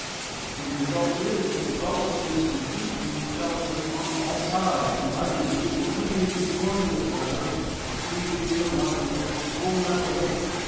The result is that the gulf is completely sheltered on all sides, and I believe that even in the stormiest weather, the sea here must be as calm as a lake."